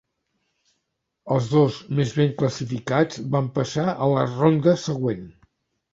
El dos més ben classificats van passar a la ronda següent.